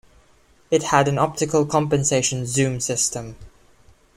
It had an optical compensation zoom system.